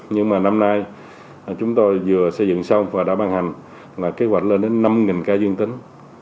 nhưng mà năm nay chúng tôi vừa xây dựng xong và đã bàn hành kế hoạch lên đến năm ca dương tính